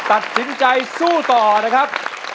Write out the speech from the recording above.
ตัดสินใจสู้ต่อนะครับ